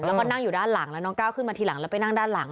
แล้วก็นั่งอยู่ด้านหลังแล้วน้องก้าวขึ้นมาทีหลังแล้วไปนั่งด้านหลัง